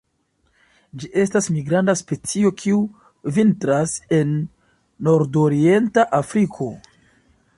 Ĝi estas migranta specio, kiu vintras en nordorienta Afriko.